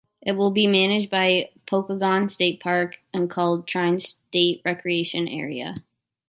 It will be managed by Pokagon State Park and called Trine State Recreation Area.